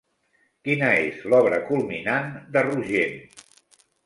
Quina és l'obra culminant de Rogent?